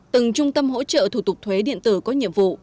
từng trung tâm hỗ trợ thủ tục thuế điện tử có nhiệm vụ